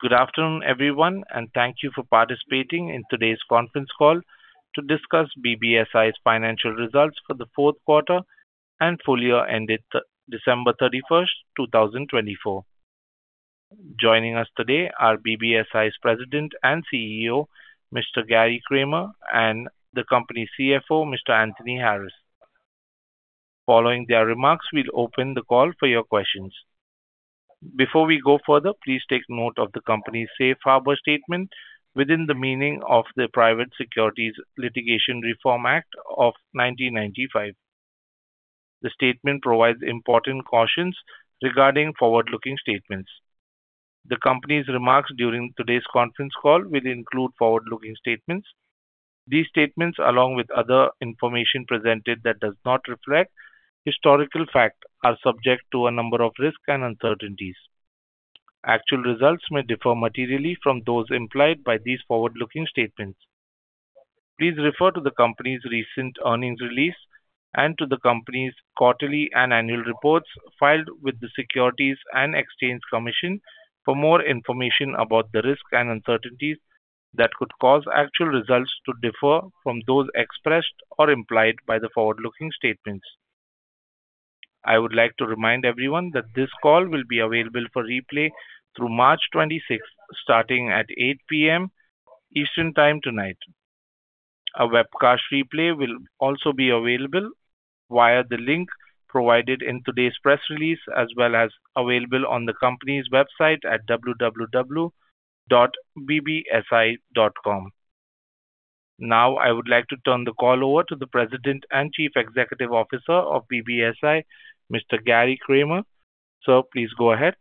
Good afternoon, everyone, and thank you for participating in today's conference call to discuss BBSI's financial results for the fourth quarter and full year ended December 31st, 2024. Joining us today are BBSI's President and CEO, Mr. Gary Kramer, and the company's CFO, Mr. Anthony Harris. Following their remarks, we'll open the call for your questions. Before we go further, please take note of the company's Safe Harbor statement within the meaning of the Private Securities Litigation Reform Act of 1995. The statement provides important cautions regarding forward-looking statements. The company's remarks during today's conference call will include forward-looking statements. These statements, along with other information presented that does not reflect historical facts, are subject to a number of risks and uncertainties. Actual results may differ materially from those implied by these forward-looking statements. Please refer to the company's recent earnings release and to the company's quarterly and annual reports filed with the Securities and Exchange Commission for more information about the risks and uncertainties that could cause actual results to differ from those expressed or implied by the forward-looking statements. I would like to remind everyone that this call will be available for replay through March 26, starting at 8:00 P.M. Eastern Time tonight. A webcast replay will also be available via the link provided in today's press release, as well as available on the company's website at www.bbsi.com. Now, I would like to turn the call over to the President and Chief Executive Officer of BBSI, Mr. Gary Kramer. Sir, please go ahead.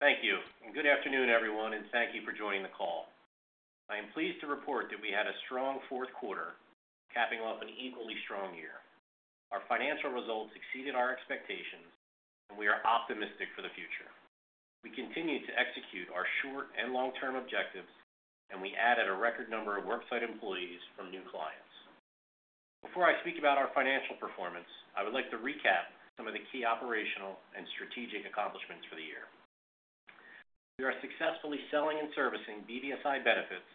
Thank you. Good afternoon, everyone, and thank you for joining the call. I am pleased to report that we had a strong fourth quarter, capping off an equally strong year. Our financial results exceeded our expectations, and we are optimistic for the future. We continue to execute our short and long-term objectives, and we added a record number of worksite employees from new clients. Before I speak about our financial performance, I would like to recap some of the key operational and strategic accomplishments for the year. We are successfully selling and servicing BBSI Benefits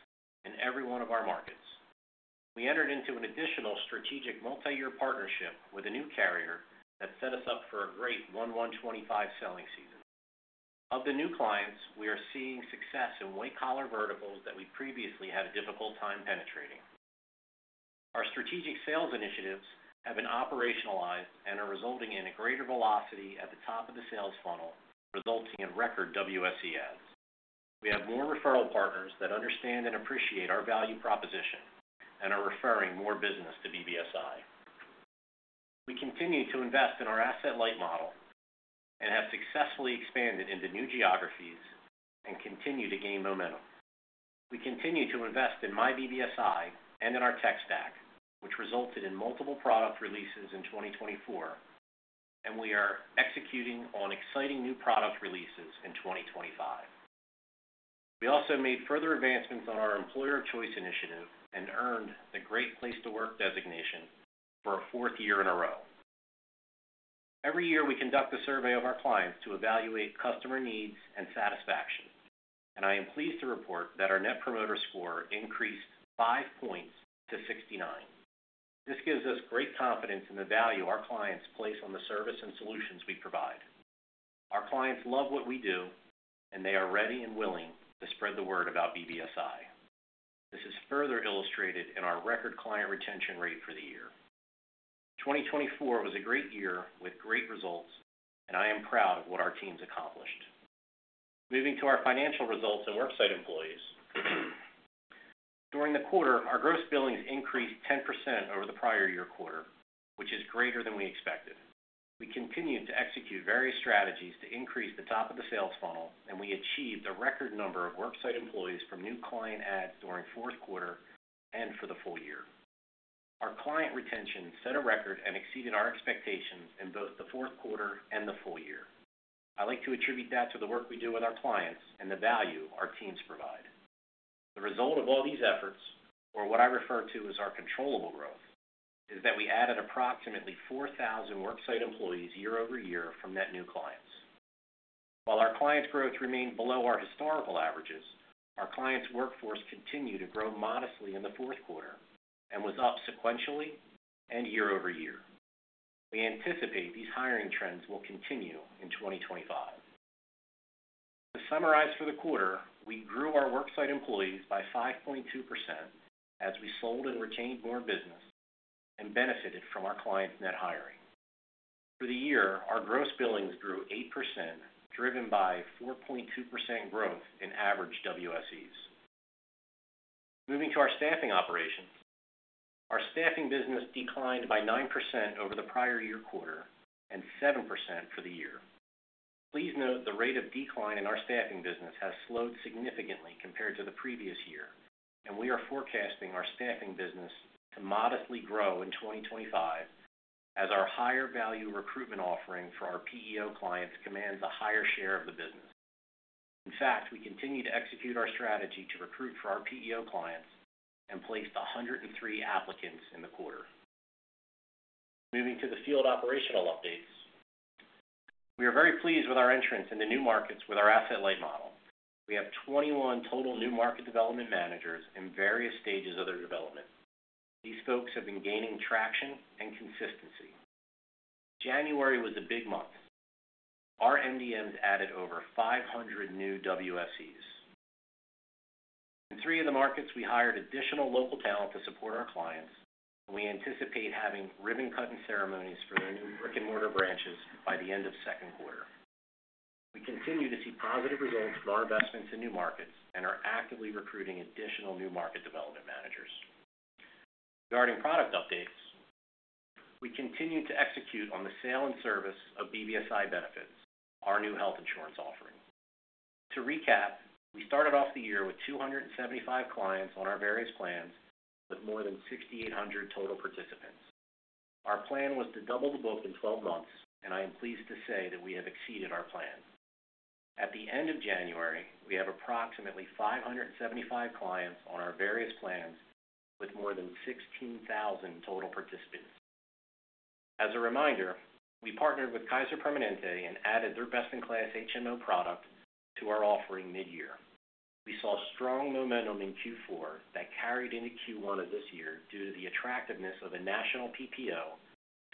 in every one of our markets. We entered into an additional strategic multi-year partnership with a new carrier that set us up for a great 1/1/2025 selling season. Of the new clients, we are seeing success in white-collar verticals that we previously had a difficult time penetrating. Our strategic sales initiatives have been operationalized and are resulting in a greater velocity at the top of the sales funnel, resulting in record WSE adds. We have more referral partners that understand and appreciate our value proposition and are referring more business to BBSI. We continue to invest in our asset-light model and have successfully expanded into new geographies and continue to gain momentum. We continue to invest in myBBSI and in our tech stack, which resulted in multiple product releases in 2024, and we are executing on exciting new product releases in 2025. We also made further advancements on our employer of choice initiative and earned the Great Place to Work designation for a fourth year in a row. Every year, we conduct a survey of our clients to evaluate customer needs and satisfaction, and I am pleased to report that our Net Promoter Score increased five points to 69. This gives us great confidence in the value our clients place on the service and solutions we provide. Our clients love what we do, and they are ready and willing to spread the word about BBSI. This is further illustrated in our record client retention rate for the year. 2024 was a great year with great results, and I am proud of what our teams accomplished. Moving to our financial results and worksite employees. During the quarter, our gross billings increased 10% over the prior year quarter, which is greater than we expected. We continued to execute various strategies to increase the top of the sales funnel, and we achieved a record number of worksite employees from new client adds during fourth quarter and for the full year. Our client retention set a record and exceeded our expectations in both the fourth quarter and the full year. I like to attribute that to the work we do with our clients and the value our teams provide. The result of all these efforts, or what I refer to as our controllable growth, is that we added approximately 4,000 worksite employees year-over-year from net new clients. While our clients' growth remained below our historical averages, our clients' workforce continued to grow modestly in the fourth quarter and was up sequentially and year-over-year. We anticipate these hiring trends will continue in 2025. To summarize for the quarter, we grew our worksite employees by 5.2% as we sold and retained more business and benefited from our clients' net hiring. For the year, our gross billings grew 8%, driven by 4.2% growth in average WSEs. Moving to our staffing operations, our staffing business declined by 9% over the prior year quarter and 7% for the year. Please note the rate of decline in our staffing business has slowed significantly compared to the previous year, and we are forecasting our staffing business to modestly grow in 2025 as our higher value recruitment offering for our PEO clients commands a higher share of the business. In fact, we continue to execute our strategy to recruit for our PEO clients and placed 103 applicants in the quarter. Moving to the field operational updates. We are very pleased with our entrance into new markets with our asset-light model. We have 21 total new market development managers in various stages of their development. These folks have been gaining traction and consistency. January was a big month. Our MDMs added over 500 new WSEs. In three of the markets, we hired additional local talent to support our clients, and we anticipate having ribbon-cutting ceremonies for their new brick-and-mortar branches by the end of second quarter. We continue to see positive results from our investments in new markets and are actively recruiting additional new market development managers. Regarding product updates, we continue to execute on the sale and service of BBSI Benefits, our new health insurance offering. To recap, we started off the year with 275 clients on our various plans with more than 6,800 total participants. Our plan was to double the book in 12 months, and I am pleased to say that we have exceeded our plan. At the end of January, we have approximately 575 clients on our various plans with more than 16,000 total participants. As a reminder, we partnered with Kaiser Permanente and added their best-in-class HMO product to our offering mid-year. We saw strong momentum in Q4 that carried into Q1 of this year due to the attractiveness of a national PPO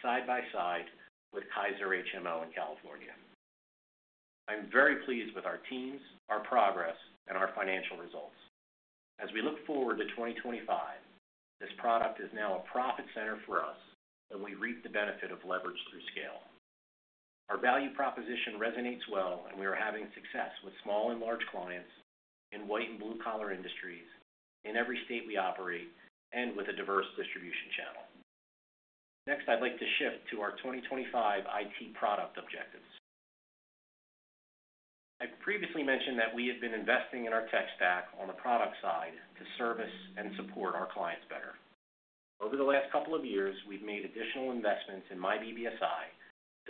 side by side with Kaiser HMO in California. I'm very pleased with our teams, our progress, and our financial results. As we look forward to 2025, this product is now a profit center for us, and we reap the benefit of leverage through scale. Our value proposition resonates well, and we are having success with small and large clients in white and blue-collar industries in every state we operate and with a diverse distribution channel. Next, I'd like to shift to our 2025 IT product objectives. I previously mentioned that we have been investing in our tech stack on the product side to service and support our clients better. Over the last couple of years, we've made additional investments in myBBSI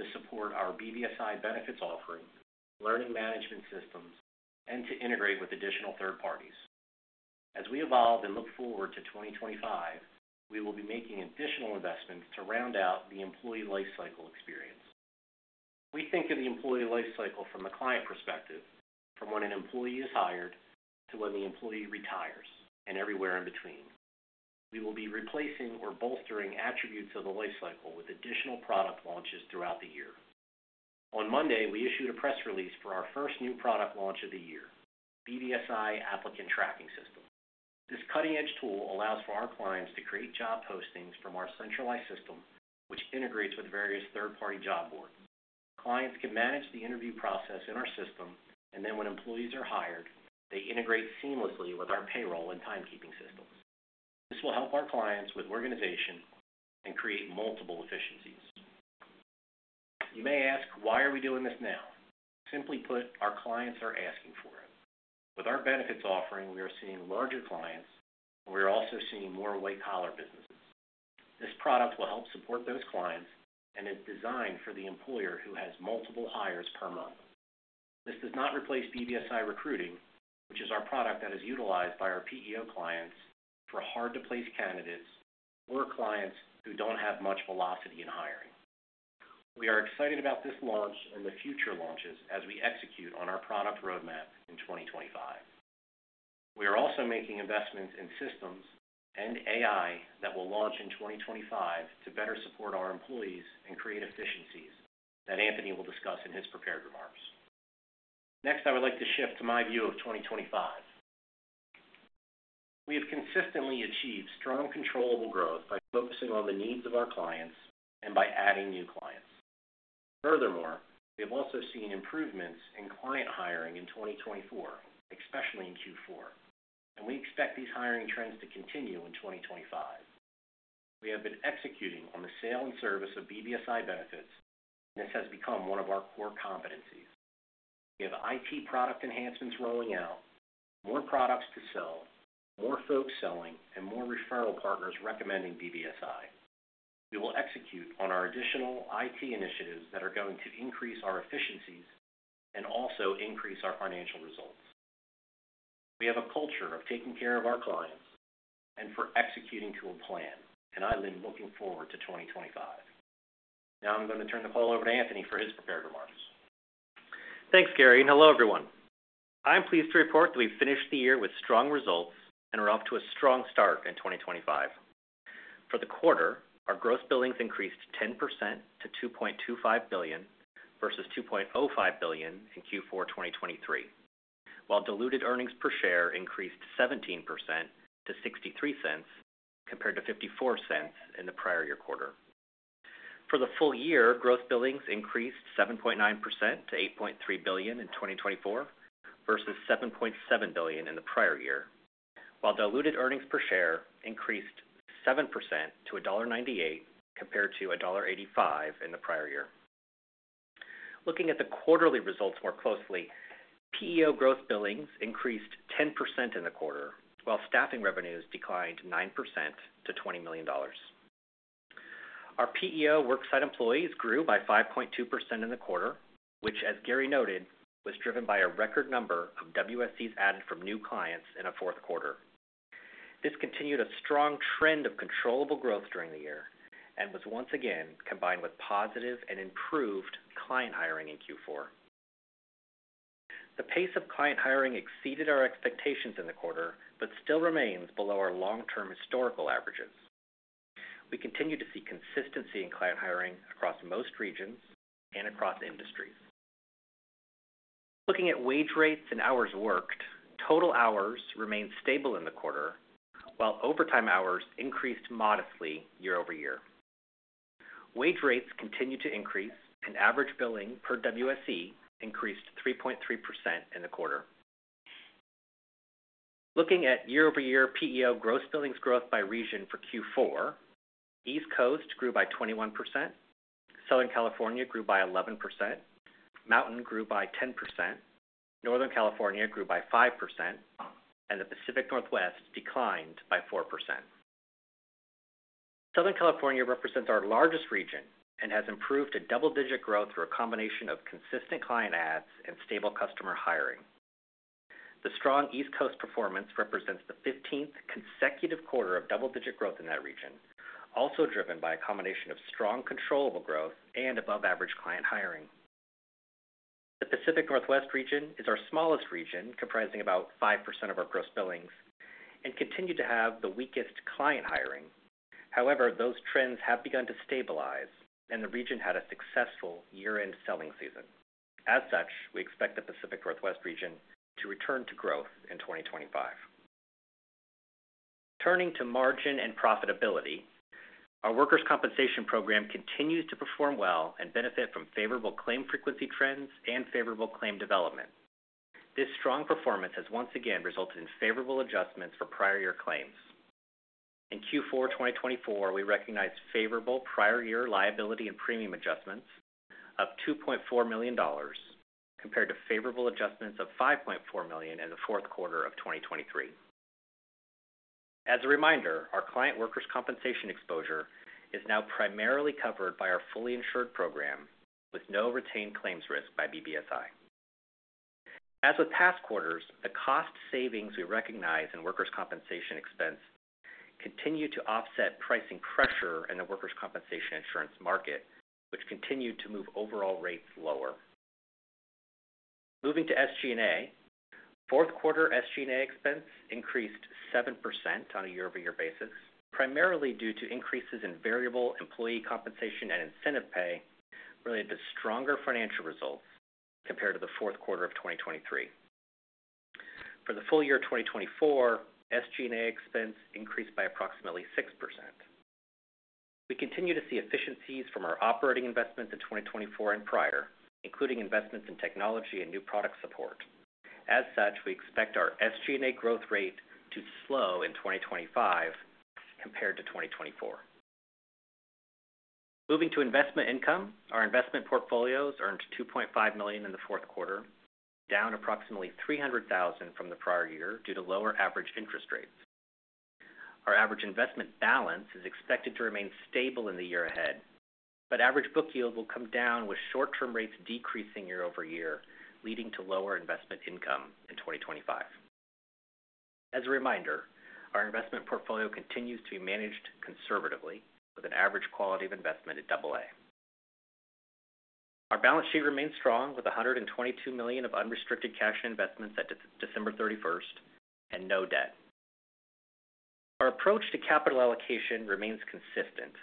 to support our BBSI Benefits offering, learning management systems, and to integrate with additional third parties. As we evolve and look forward to 2025, we will be making additional investments to round out the employee lifecycle experience. We think of the employee lifecycle from the client perspective, from when an employee is hired to when the employee retires and everywhere in between. We will be replacing or bolstering attributes of the lifecycle with additional product launches throughout the year. On Monday, we issued a press release for our first new product launch of the year, BBSI Applicant Tracking System. This cutting-edge tool allows for our clients to create job postings from our centralized system, which integrates with various third-party job boards. Clients can manage the interview process in our system, and then when employees are hired, they integrate seamlessly with our payroll and timekeeping systems. This will help our clients with organization and create multiple efficiencies. You may ask, "Why are we doing this now?" Simply put, our clients are asking for it. With our benefits offering, we are seeing larger clients, and we are also seeing more white-collar businesses. This product will help support those clients and is designed for the employer who has multiple hires per month. This does not replace BBSI Recruiting, which is our product that is utilized by our PEO clients for hard-to-place candidates or clients who don't have much velocity in hiring. We are excited about this launch and the future launches as we execute on our product roadmap in 2025. We are also making investments in systems and AI that will launch in 2025 to better support our employees and create efficiencies that Anthony will discuss in his prepared remarks. Next, I would like to shift to my view of 2025. We have consistently achieved strong controllable growth by focusing on the needs of our clients and by adding new clients. Furthermore, we have also seen improvements in client hiring in 2024, especially in Q4, and we expect these hiring trends to continue in 2025. We have been executing on the sale and service of BBSI Benefits, and this has become one of our core competencies. We have IT product enhancements rolling out, more products to sell, more folks selling, and more referral partners recommending BBSI. We will execute on our additional IT initiatives that are going to increase our efficiencies and also increase our financial results. We have a culture of taking care of our clients and for executing to a plan, and I've been looking forward to 2025. Now I'm going to turn the call over to Anthony for his prepared remarks. Thanks, Gary. Hello, everyone. I'm pleased to report that we've finished the year with strong results and are off to a strong start in 2025. For the quarter, our gross billings increased 10% to $2.25 billion versus $2.05 billion in Q4 2023, while diluted earnings per share increased 17% to $0.63 compared to $0.54 in the prior year quarter. For the full year, gross billings increased 7.9% to $8.3 billion in 2024 versus $7.7 billion in the prior year, while diluted earnings per share increased 7% to $1.98 compared to $1.85 in the prior year. Looking at the quarterly results more closely, PEO gross billings increased 10% in the quarter, while staffing revenues declined 9% to $20 million. Our PEO worksite employees grew by 5.2% in the quarter, which, as Gary noted, was driven by a record number of WSEs added from new clients in a fourth quarter. This continued a strong trend of controllable growth during the year and was once again combined with positive and improved client hiring in Q4. The pace of client hiring exceeded our expectations in the quarter but still remains below our long-term historical averages. We continue to see consistency in client hiring across most regions and across industries. Looking at wage rates and hours worked, total hours remained stable in the quarter, while overtime hours increased modestly year-over-year. Wage rates continue to increase, and average billing per WSE increased 3.3% in the quarter. Looking at year-over-year PEO gross billings growth by region for Q4, East Coast grew by 21%, Southern California grew by 11%, Mountain grew by 10%, Northern California grew by 5%, and the Pacific Northwest declined by 4%. Southern California represents our largest region and has improved to double-digit growth through a combination of consistent client adds and stable customer hiring. The strong East Coast performance represents the 15th consecutive quarter of double-digit growth in that region, also driven by a combination of strong controllable growth and above-average client hiring. The Pacific Northwest region is our smallest region, comprising about 5% of our gross billings, and continued to have the weakest client hiring. However, those trends have begun to stabilize, and the region had a successful year-end selling season. As such, we expect the Pacific Northwest region to return to growth in 2025. Turning to margin and profitability, our workers' compensation program continues to perform well and benefit from favorable claim frequency trends and favorable claim development. This strong performance has once again resulted in favorable adjustments for prior year claims. In Q4 2024, we recognized favorable prior year liability and premium adjustments of $2.4 million compared to favorable adjustments of $5.4 million in the fourth quarter of 2023. As a reminder, our client workers' compensation exposure is now primarily covered by our fully insured program with no retained claims risk by BBSI. As with past quarters, the cost savings we recognize in workers' compensation expense continue to offset pricing pressure in the workers' compensation insurance market, which continued to move overall rates lower. Moving to SG&A, fourth quarter SG&A expense increased 7% on a year-over-year basis, primarily due to increases in variable employee compensation and incentive pay related to stronger financial results compared to the fourth quarter of 2023. For the full year 2024, SG&A expense increased by approximately 6%. We continue to see efficiencies from our operating investments in 2024 and prior, including investments in technology and new product support. As such, we expect our SG&A growth rate to slow in 2025 compared to 2024. Moving to investment income, our investment portfolios earned $2.5 million in the fourth quarter, down approximately $300,000 from the prior year due to lower average interest rates. Our average investment balance is expected to remain stable in the year ahead, but average book yield will come down with short-term rates decreasing year-over-year, leading to lower investment income in 2025. As a reminder, our investment portfolio continues to be managed conservatively with an average quality of investment at AA. Our balance sheet remains strong with $122 million of unrestricted cash and investments at December 31st and no debt. Our approach to capital allocation remains consistent,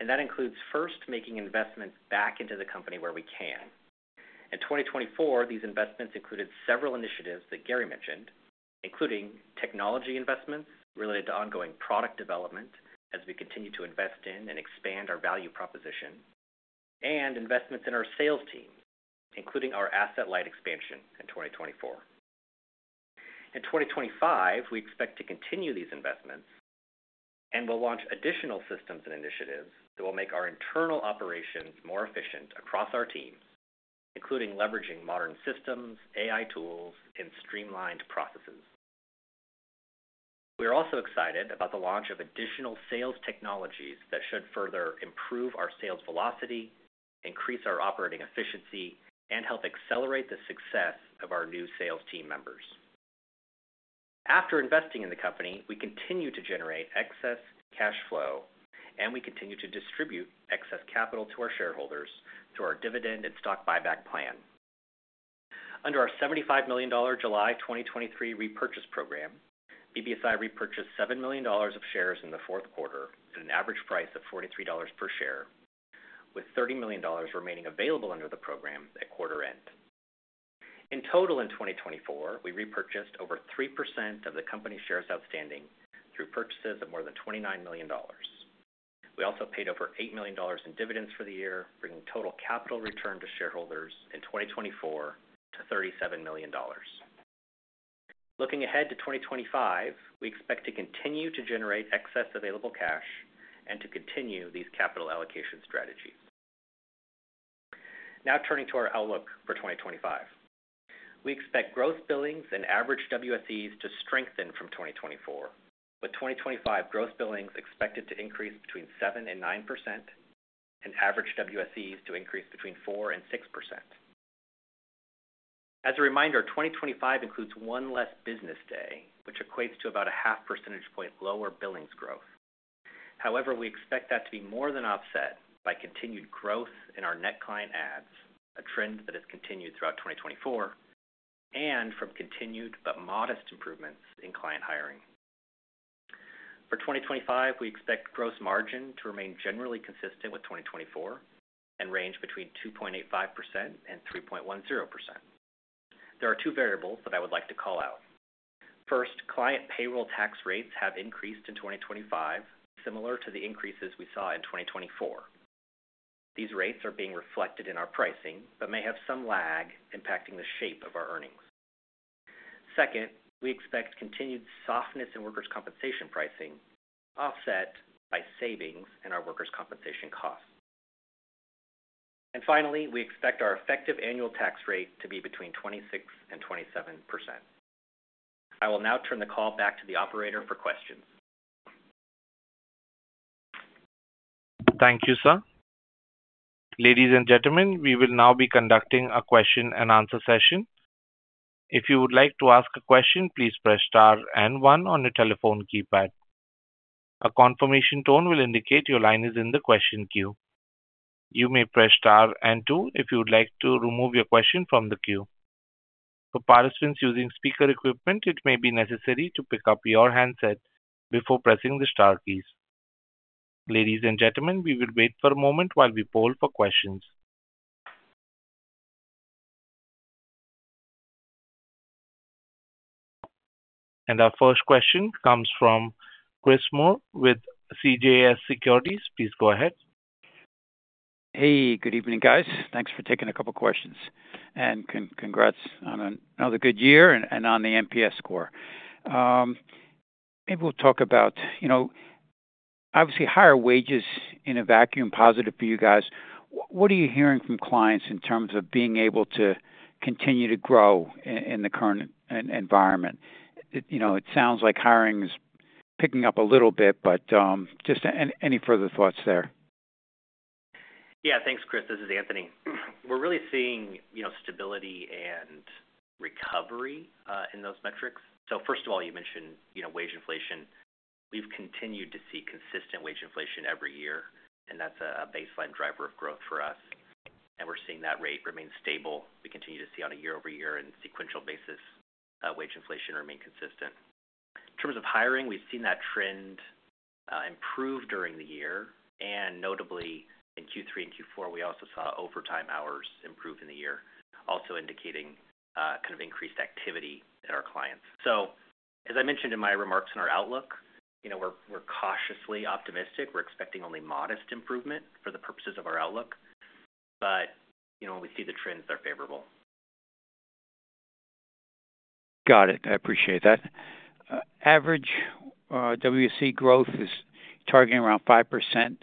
and that includes first making investments back into the company where we can. In 2024, these investments included several initiatives that Gary mentioned, including technology investments related to ongoing product development as we continue to invest in and expand our value proposition, and investments in our sales team, including our asset-light expansion in 2024. In 2025, we expect to continue these investments and will launch additional systems and initiatives that will make our internal operations more efficient across our teams, including leveraging modern systems, AI tools, and streamlined processes. We are also excited about the launch of additional sales technologies that should further improve our sales velocity, increase our operating efficiency, and help accelerate the success of our new sales team members. After investing in the company, we continue to generate excess cash flow, and we continue to distribute excess capital to our shareholders through our dividend and stock buyback plan. Under our $75 million July 2023 repurchase program, BBSI repurchased $7 million of shares in the fourth quarter at an average price of $43 per share, with $30 million remaining available under the program at quarter end. In total, in 2024, we repurchased over 3% of the company shares outstanding through purchases of more than $29 million. We also paid over $8 million in dividends for the year, bringing total capital return to shareholders in 2024 to $37 million. Looking ahead to 2025, we expect to continue to generate excess available cash and to continue these capital allocation strategies. Now turning to our outlook for 2025, we expect gross billings and average WSEs to strengthen from 2024, with 2025 gross billings expected to increase between 7% and 9% and average WSEs to increase between 4% and 6%. As a reminder, 2025 includes one less business day, which equates to about a half percentage point lower billings growth. However, we expect that to be more than offset by continued growth in our net client adds, a trend that has continued throughout 2024, and from continued but modest improvements in client hiring. For 2025, we expect gross margin to remain generally consistent with 2024 and range between 2.85% and 3.10%. There are two variables that I would like to call out. First, client payroll tax rates have increased in 2025, similar to the increases we saw in 2024. These rates are being reflected in our pricing but may have some lag impacting the shape of our earnings. Second, we expect continued softness in workers' compensation pricing offset by savings in our workers' compensation costs. And finally, we expect our effective annual tax rate to be between 26% and 27%. I will now turn the call back to the operator for questions. Thank you, sir. Ladies and gentlemen, we will now be conducting a question-and-answer session. If you would like to ask a question, please press Star and one on your telephone keypad. A confirmation tone will indicate your line is in the question queue. You may press Star and two if you would like to remove your question from the queue. For participants using speaker equipment, it may be necessary to pick up your handset before pressing the Star keys. Ladies and gentlemen, we will wait for a moment while we poll for questions, and our first question comes from Chris Moore with CJS Securities. Please go ahead. Hey, good evening, guys. Thanks for taking a couple of questions. And congrats on another good year and on the NPS score. Maybe we'll talk about, you know, obviously higher wages in a vacuum positive for you guys. What are you hearing from clients in terms of being able to continue to grow in the current environment? You know, it sounds like hiring is picking up a little bit, but just any further thoughts there? Yeah, thanks, Chris. This is Anthony. We're really seeing, you know, stability and recovery in those metrics. So first of all, you mentioned, you know, wage inflation. We've continued to see consistent wage inflation every year, and that's a baseline driver of growth for us, and we're seeing that rate remain stable. We continue to see on a year-over-year and sequential basis wage inflation remain consistent. In terms of hiring, we've seen that trend improve during the year, and notably, in Q3 and Q4, we also saw overtime hours improve in the year, also indicating kind of increased activity at our clients, so as I mentioned in my remarks in our outlook, you know, we're cautiously optimistic. We're expecting only modest improvement for the purposes of our outlook, but, you know, we see the trends that are favorable. Got it. I appreciate that. Average WSE growth is targeting around 5%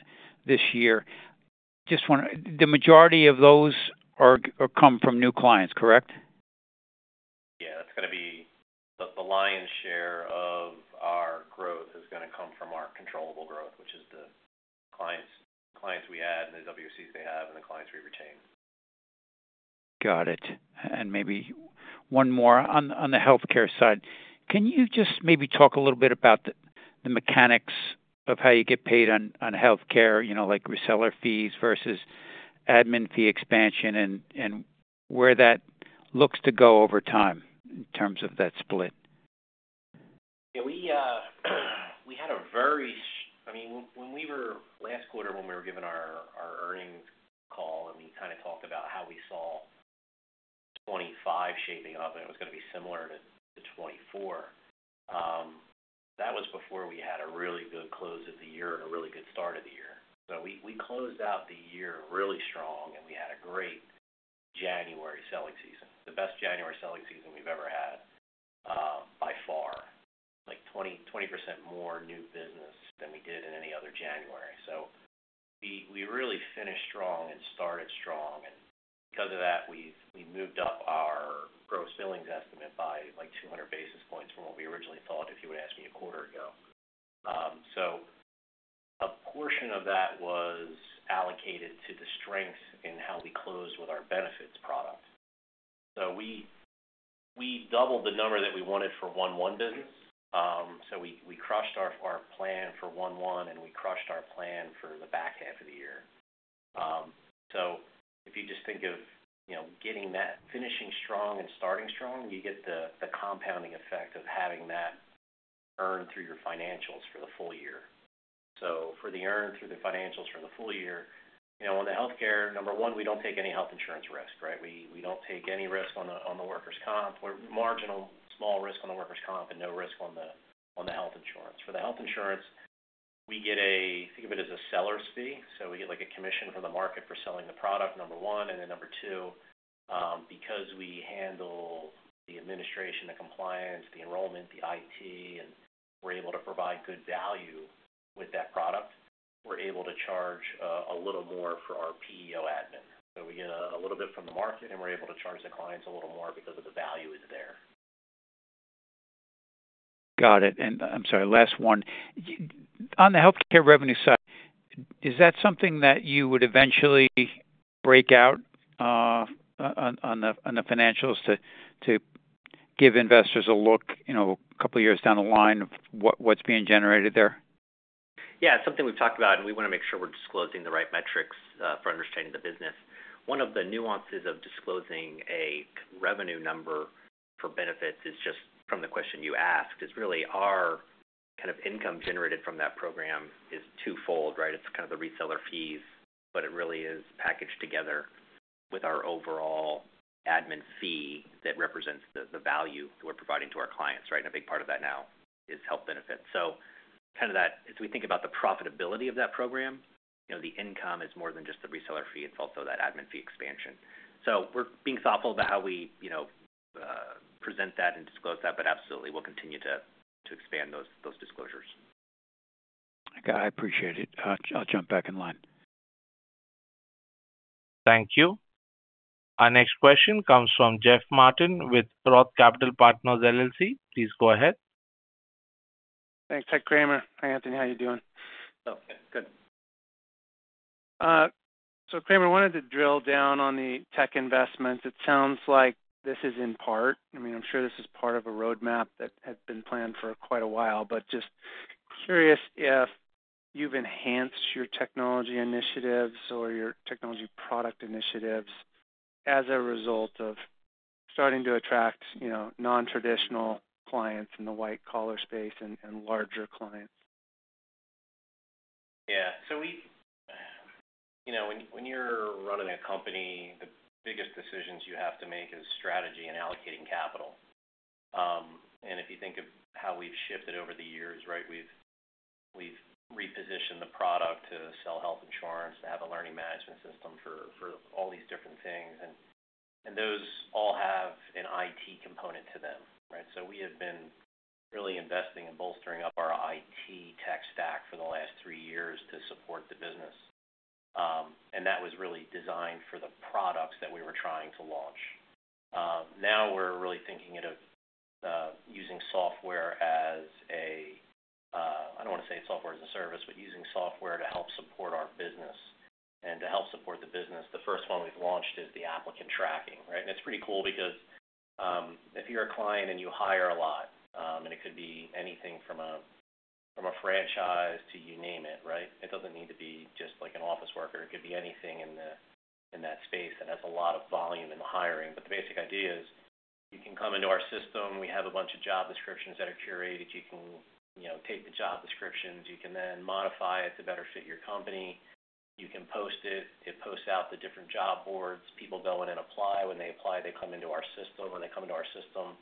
this year. Just want to, the majority of those come from new clients, correct? Yeah, that's going to be the lion's share of our growth is going to come from our controllable growth, which is the clients we add and the WSEs they have and the clients we retain. Got it. And maybe one more on the healthcare side. Can you just maybe talk a little bit about the mechanics of how you get paid on healthcare, you know, like reseller fees versus admin fee expansion and where that looks to go over time in terms of that split? Yeah, we had a very, I mean, when we were last quarter, when we were given our earnings call, and we kind of talked about how we saw 2025 shaping up and it was going to be similar to 2024. That was before we had a really good close of the year and a really good start of the year. So we closed out the year really strong, and we had a great January selling season, the best January selling season we've ever had by far, like 20% more new business than we did in any other January. So we really finished strong and started strong. And because of that, we moved up our gross billings estimate by like 200 basis points from what we originally thought, if you would ask me a quarter ago. A portion of that was allocated to the strength in how we closed with our benefits product. So we doubled the number that we wanted for 1/1 business. So we crushed our plan for 1/1, and we crushed our plan for the back half of the year. So if you just think of, you know, getting that finishing strong and starting strong, you get the compounding effect of having that earned through your financials for the full year. So for the earned through the financials for the full year, you know, on the healthcare, number one, we don't take any health insurance risk, right? We don't take any risk on the workers' comp. We're marginal, small risk on the workers' comp and no risk on the health insurance. For the health insurance, we get a, think of it as a seller's fee. So we get like a commission from the market for selling the product, number one. And then number two, because we handle the administration, the compliance, the enrollment, the IT, and we're able to provide good value with that product, we're able to charge a little more for our PEO admin. So we get a little bit from the market, and we're able to charge the clients a little more because of the value in there. Got it. And I'm sorry, last one. On the healthcare revenue side, is that something that you would eventually break out on the financials to give investors a look, you know, a couple of years down the line of what's being generated there? Yeah, it's something we've talked about, and we want to make sure we're disclosing the right metrics for understanding the business. One of the nuances of disclosing a revenue number for benefits is just from the question you asked, is really our kind of income generated from that program is twofold, right? It's kind of the reseller fees, but it really is packaged together with our overall admin fee that represents the value that we're providing to our clients, right? And a big part of that now is health benefits. So kind of that, as we think about the profitability of that program, you know, the income is more than just the reseller fee. It's also that admin fee expansion. So we're being thoughtful about how we, you know, present that and disclose that, but absolutely we'll continue to expand those disclosures. I appreciate it. I'll jump back in line. Thank you. Our next question comes from Jeff Martin with Roth Capital Partners, LLC. Please go ahead. Thanks. Hi, Kramer. Hi, Anthony. How are you doing? Oh, good. So, Kramer, I wanted to drill down on the tech investments. It sounds like this is in part, I mean, I'm sure this is part of a roadmap that had been planned for quite a while, but just curious if you've enhanced your technology initiatives or your technology product initiatives as a result of starting to attract, you know, non-traditional clients in the white-collar space and larger clients? Yeah. So we, you know, when you're running a company, the biggest decisions you have to make is strategy and allocating capital. And if you think of how we've shifted over the years, right, we've repositioned the product to sell health insurance, to have a learning management system for all these different things. And those all have an IT component to them, right? So we have been really investing and bolstering up our IT tech stack for the last three years to support the business. And that was really designed for the products that we were trying to launch. Now we're really thinking of using software as a, I don't want to say software as a service, but using software to help support our business. And to help support the business, the first one we've launched is the applicant tracking, right? It's pretty cool because if you're a client and you hire a lot, and it could be anything from a franchise to you name it, right? It doesn't need to be just like an office worker. It could be anything in that space that has a lot of volume in the hiring. But the basic idea is you can come into our system. We have a bunch of job descriptions that are curated. You can take the job descriptions. You can then modify it to better fit your company. You can post it. It posts out the different job boards. People go in and apply. When they apply, they come into our system. When they come into our system,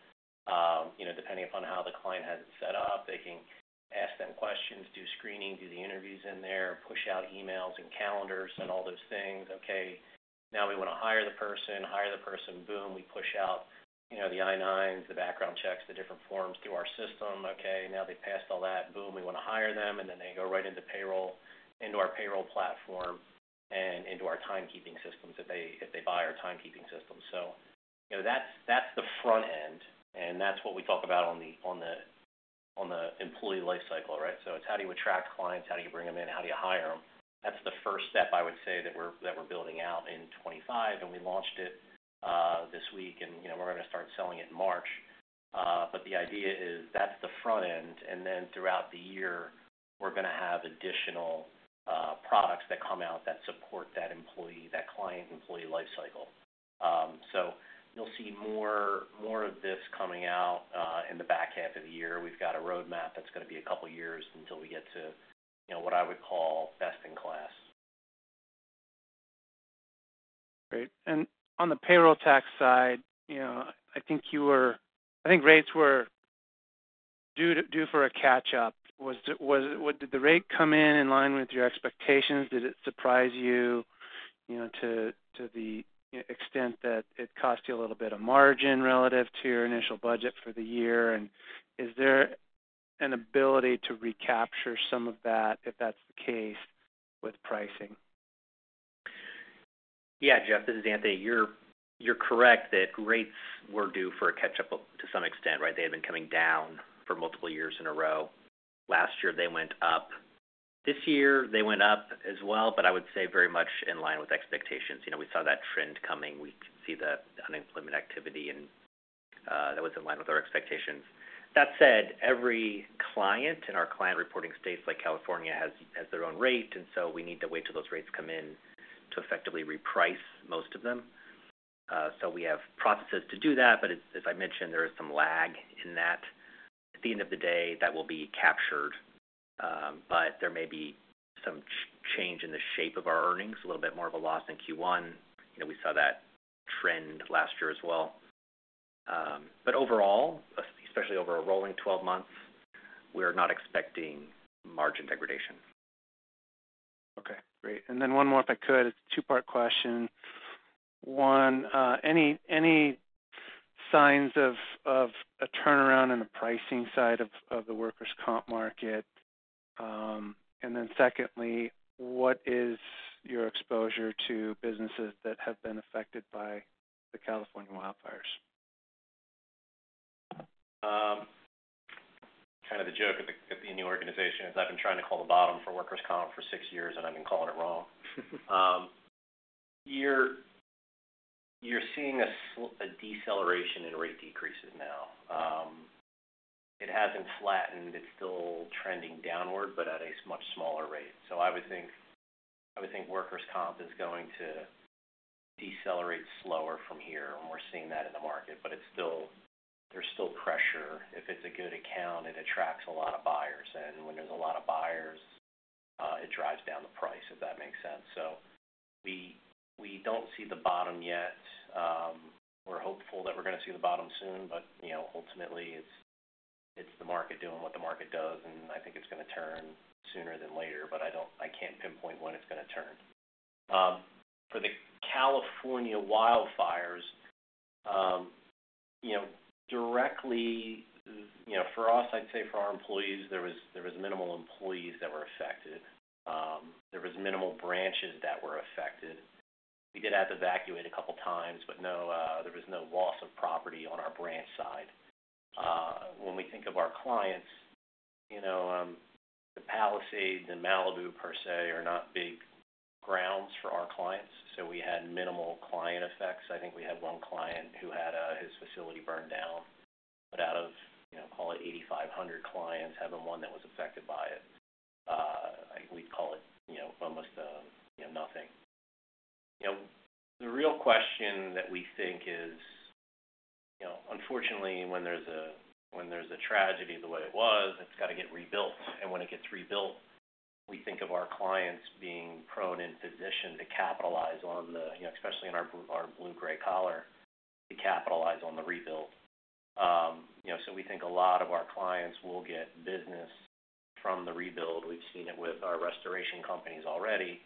you know, depending upon how the client has it set up, they can ask them questions, do screening, do the interviews in there, push out emails and calendars and all those things. Okay, now we want to hire the person. Hire the person, boom, we push out, you know, the I-9, the background checks, the different forms through our system. Okay, now they've passed all that, boom, we want to hire them. And then they go right into payroll, into our payroll platform and into our timekeeping systems if they buy our timekeeping system. So, you know, that's the front end. And that's what we talk about on the employee life cycle, right? So it's how do you attract clients, how do you bring them in, how do you hire them? That's the first step I would say that we're building out in 2025. We launched it this week, and, you know, we're going to start selling it in March. The idea is that's the front end. Then throughout the year, we're going to have additional products that come out that support that employee, that client-employee life cycle. You'll see more of this coming out in the back half of the year. We've got a roadmap that's going to be a couple of years until we get to, you know, what I would call best in class. Great. And on the payroll tax side, you know, I think rates were due for a catch-up. Did the rate come in line with your expectations? Did it surprise you, you know, to the extent that it cost you a little bit of margin relative to your initial budget for the year? And is there an ability to recapture some of that, if that's the case, with pricing? Yeah, Jeff, this is Anthony. You're correct that rates were due for a catch-up to some extent, right? They had been coming down for multiple years in a row. Last year, they went up. This year, they went up as well, but I would say very much in line with expectations. You know, we saw that trend coming. We could see the unemployment activity and that was in line with our expectations. That said, every client in our client reporting states like California has their own rate. And so we need to wait till those rates come in to effectively reprice most of them. So we have processes to do that. But as I mentioned, there is some lag in that. At the end of the day, that will be captured. But there may be some change in the shape of our earnings, a little bit more of a loss in Q1. You know, we saw that trend last year as well. But overall, especially over a rolling 12 months, we're not expecting margin degradation. Okay. Great. And then one more, if I could, it's a two-part question. One, any signs of a turnaround in the pricing side of the workers' comp market? And then secondly, what is your exposure to businesses that have been affected by the California wildfires? Kind of the joke in your organization is I've been trying to call the bottom for workers' comp for six years, and I've been calling it wrong. You're seeing a deceleration in rate decreases now. It hasn't flattened. It's still trending downward, but at a much smaller rate, so I would think workers' comp is going to decelerate slower from here, and we're seeing that in the market, but there's still pressure. If it's a good account, it attracts a lot of buyers, and when there's a lot of buyers, it drives down the price, if that makes sense, so we don't see the bottom yet. We're hopeful that we're going to see the bottom soon, but you know, ultimately, it's the market doing what the market does, and I think it's going to turn sooner than later, but I can't pinpoint when it's going to turn. For the California wildfires, you know, directly, you know, for us, I'd say for our employees, there was minimal employees that were affected. There were minimal branches that were affected. We did have to evacuate a couple of times, but there was no loss of property on our branch side. When we think of our clients, you know, the Palisades and Malibu, per se, are not big grounds for our clients. So we had minimal client effects. I think we had one client who had his facility burned down, but out of, you know, call it 8,500 clients, having one that was affected by it, we'd call it, you know, almost nothing. You know, the real question that we think is, you know, unfortunately, when there's a tragedy the way it was, it's got to get rebuilt. When it gets rebuilt, we think of our clients being primed in position to capitalize on the, you know, especially in our blue-collar, to capitalize on the rebuild. You know, so we think a lot of our clients will get business from the rebuild. We've seen it with our restoration companies already.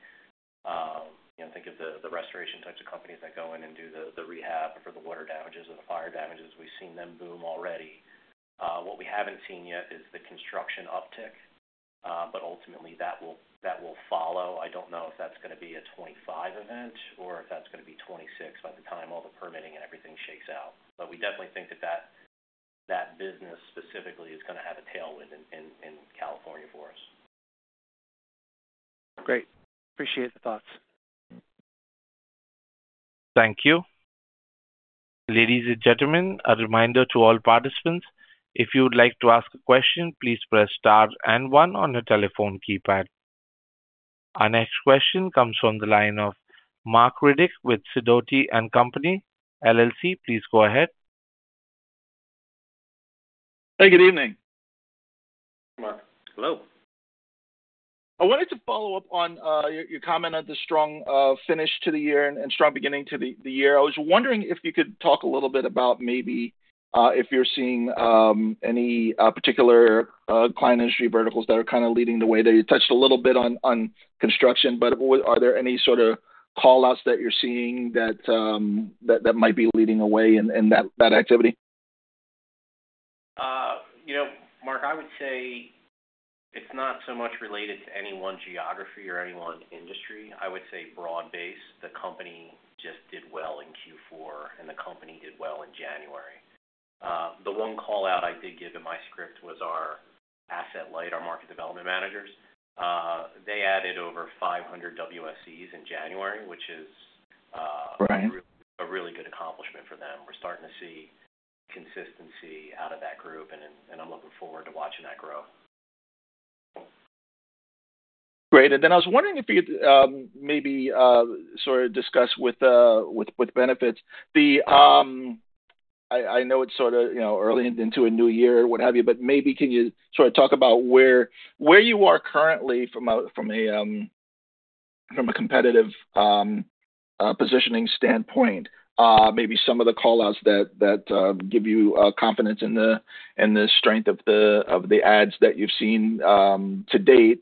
You know, think of the restoration types of companies that go in and do the rehab for the water damages or the fire damages. We've seen them boom already. What we haven't seen yet is the construction uptick, but ultimately, that will follow. I don't know if that's going to be a 2025 event or if that's going to be 2026 by the time all the permitting and everything shakes out. But we definitely think that that business specifically is going to have a tailwind in California for us. Great. Appreciate the thoughts. Thank you. Ladies and gentlemen, a reminder to all participants, if you would like to ask a question, please press star and one on your telephone keypad. Our next question comes from the line of Marc Riddick with Sidoti & Company, LLC. Please go ahead. Hey, good evening. Marc? Hello. I wanted to follow up on your comment on the strong finish to the year and strong beginning to the year. I was wondering if you could talk a little bit about maybe if you're seeing any particular client industry verticals that are kind of leading the way? You touched a little bit on construction, but are there any sort of callouts that you're seeing that might be leading away in that activity? You know, Mark, I would say it's not so much related to any one geography or any one industry. I would say broad base. The company just did well in Q4, and the company did well in January. The one callout I did give in my script was our asset-light, our market development managers. They added over 500 WSEs in January, which is a really good accomplishment for them. We're starting to see consistency out of that group, and I'm looking forward to watching that grow. Great. And then I was wondering if you'd maybe sort of discuss with benefits. I know it's sort of, you know, early into a new year, what have you, but maybe can you sort of talk about where you are currently from a competitive positioning standpoint, maybe some of the callouts that give you confidence in the strength of the ads that you've seen to date,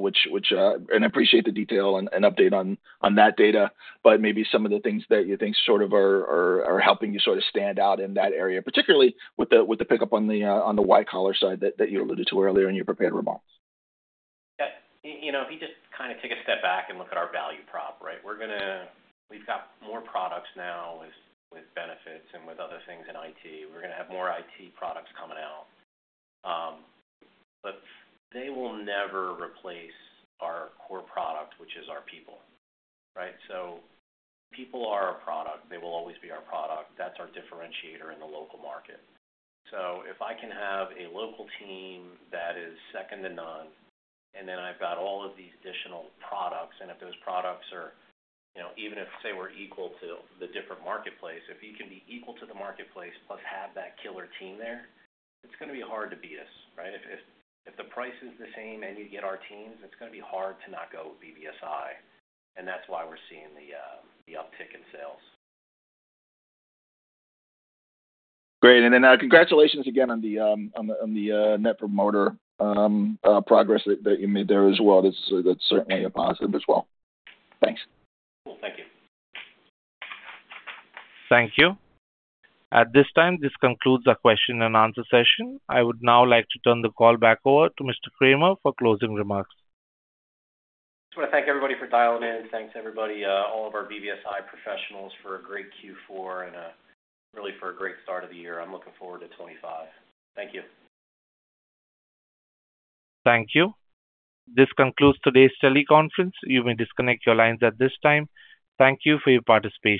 which, and I appreciate the detail and update on that data, but maybe some of the things that you think sort of are helping you sort of stand out in that area, particularly with the pickup on the white-collar side that you alluded to earlier in your prepared remarks? You know, if you just kind of take a step back and look at our value prop, right? We're going to, we've got more products now with benefits and with other things in IT. We're going to have more IT products coming out. But they will never replace our core product, which is our people, right? So people are our product. They will always be our product. That's our differentiator in the local market. So if I can have a local team that is second to none, and then I've got all of these additional products, and if those products are, you know, even if, say, we're equal to the different marketplace, if you can be equal to the marketplace plus have that killer team there, it's going to be hard to beat us, right? If the price is the same and you get our teams, it's going to be hard to not go with BBSI, and that's why we're seeing the uptick in sales. Great. And then congratulations again on the Net Promoter progress that you made there as well. That's certainly a positive as well. Thanks. Cool. Thank you. Thank you. At this time, this concludes our question and answer session. I would now like to turn the call back over to Mr. Kramer for closing remarks. I just want to thank everybody for dialing in. Thanks, everybody. All of our BBSI professionals for a great Q4 and really for a great start of the year. I'm looking forward to 2025. Thank you. Thank you. This concludes today's teleconference. You may disconnect your lines at this time. Thank you for your participation.